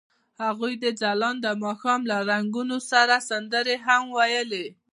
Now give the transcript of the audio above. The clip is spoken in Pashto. هغوی د ځلانده ماښام له رنګونو سره سندرې هم ویلې.